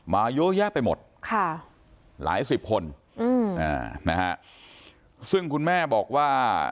มาเยอะแยะไปหมดค่ะหลายสิบคนอืมอ่านะฮะซึ่งคุณแม่บอกว่า